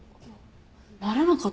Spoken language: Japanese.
なれなかったの？